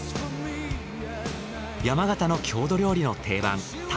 山形の郷土料理の定番玉